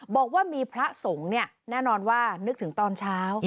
บอกว่ามีพระสงฆ์เนี่ยแน่นอนว่านึกถึงตอนเช้า